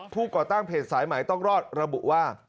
ก่อตั้งเพจสายใหม่ต้องรอดระบุว่า